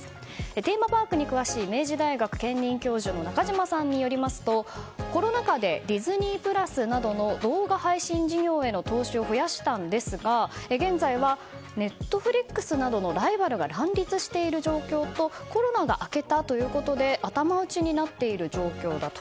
テーマパークに詳しい明治大学兼任教授の中島さんによりますとコロナ禍でディズニープラスなどの動画配信事業への投資を増やしたんですが現在はＮｅｔｆｌｉｘなどのライバルが乱立している状況とコロナが明けたということで頭打ちになっている状況だと。